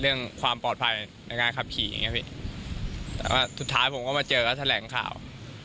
เรื่องความปลอดภัยในการขับขี่อย่างเนี้ยไม่สิมัธึงทฤษฐานผมก็มาเจอกับแถลงข่าว